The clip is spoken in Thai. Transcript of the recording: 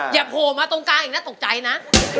โผล่มาตรงกลางอีกน่าตกใจนะ